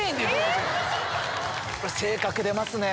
これ性格出ますね。